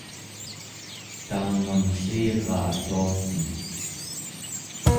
taangam elliraa tuaten